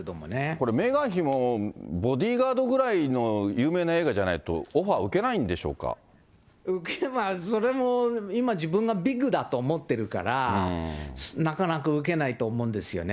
これ、メーガン妃もボディガードぐらいの有名な映画じゃないと、オファそれも今、自分がビッグだと思ってるから、なかなか受けないと思うんですよね。